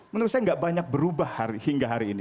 menurut saya tidak banyak berubah hingga hari ini